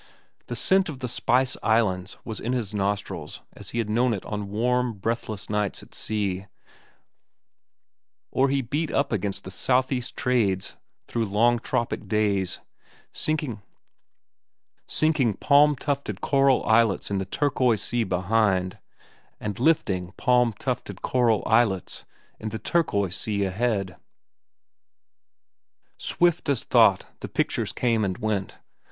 The scent of the spice islands was in his nostrils as he had known it on warm, breathless nights at sea, or he beat up against the southeast trades through long tropic days, sinking palm tufted coral islets in the turquoise sea behind and lifting palm tufted coral islets in the turquoise sea ahead. Swift as thought the pictures came and went.